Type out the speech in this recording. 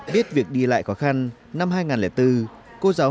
biết việc đi lại khó khăn năm hai nghìn bốn cô giáo hà được tìm ra một trường học